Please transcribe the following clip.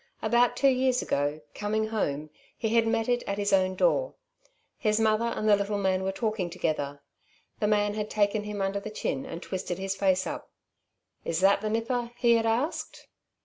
About two years ago, coming home, he had met it at his own door. His mother and the little man were talking together. The man had taken him under the chin and twisted his face up. "Is that the nipper?" he had asked.